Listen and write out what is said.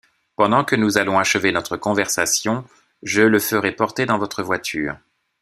Pendant que nous allons achever notre conversation, je le ferai porter dans votre voiture.